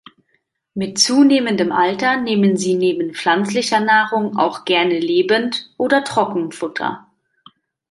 Mit zunehmendem Alter nehmen sie neben pflanzlicher Nahrung auch gerne Lebend- oder Trockenfutter.